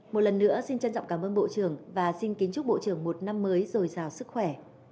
một lần nữa xin trân trọng cảm ơn bộ trưởng và xin kính chúc bộ trưởng một năm mới dồi dào sức khỏe